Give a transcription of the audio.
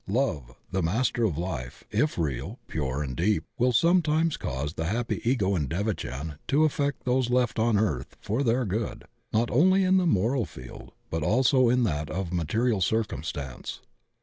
Love, the master of life, if real, pure, and deep, will some times cause the happy Ego in devachan to affect those left on earth for their good, not only in the moral field but also in that of material circumstance.